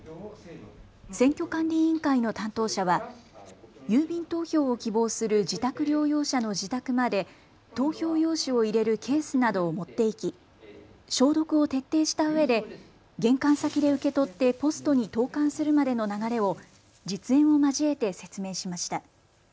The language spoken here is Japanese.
選挙管理委員会の担当者は郵便投票を希望する自宅療養者の自宅まで投票用紙を入れるケースなどを持って行き消毒を徹底したうえで玄関先で受け取ってポストに投かんするまでの流れを実演を交えて説明しました。